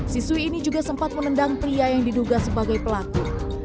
siswi ini juga sempat menendang pria yang diduga sebagai pelaku